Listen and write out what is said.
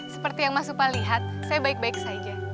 seperti yang mas upah lihat saya baik baik saja